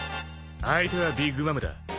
相手はビッグ・マムだ。